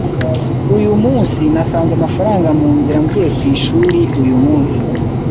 Uyu munsi nasanze amafaranga mu nzira mvuye ku ishuri uyu munsi.